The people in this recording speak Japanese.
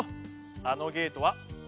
あのゲートは。